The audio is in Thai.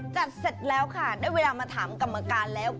เสร็จแล้วค่ะได้เวลามาถามกรรมการแล้ว